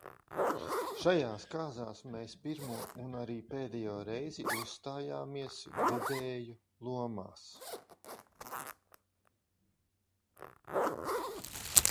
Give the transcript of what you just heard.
Šajās kāzās mēs pirmo un arī pēdējo reizi uzstājāmies vedēju lomās.